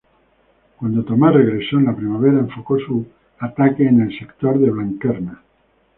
Cuando Tomás regresó en la primavera, enfocó su ataque en el sector de Blanquerna.